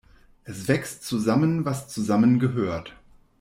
Es wächst zusammen, was zusammengehört.